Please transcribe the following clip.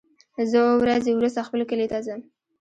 زه اووه ورځې وروسته خپل کلی ته ځم.